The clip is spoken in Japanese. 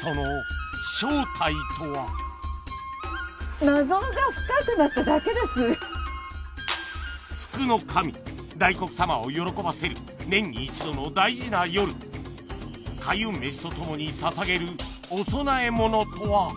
その正体とはを喜ばせる年に一度の大事な夜と共に捧げるお供え物とは？